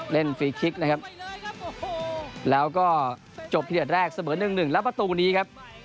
ฟรีคลิกนะครับแล้วก็จบพิเดชแรกเสมอ๑๑แล้วประตูนี้ครับ